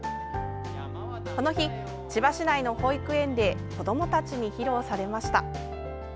この日、千葉市内の保育園で子どもたちに披露されました。